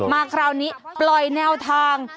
มาคราวนี้ปล่อยแนวทาง